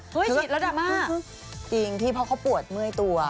เฮ้ยฉีดระดับมากจริงพี่เพราะเขาปวดเมื่อยตัว